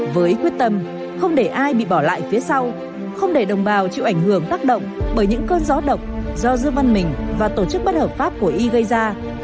với quyết tâm không để ai bị bỏ lại phía sau không để đồng bào chịu ảnh hưởng tác động bởi những cơn gió độc do dương văn mình và tổ chức bất hợp pháp của y gây ra